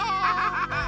ハハハハ！